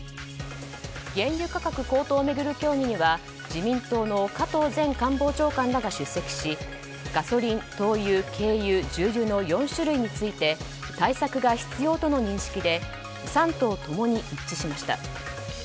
原油価格高騰を巡る協議には自民党の加藤前官房長官らが出席しガソリン、灯油、軽油、重油の４種類について対策が必要との認識で３党ともに一致しました。